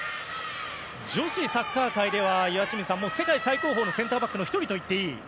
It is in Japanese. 女子サッカー界では世界最高峰のセンターバックの１人といっていい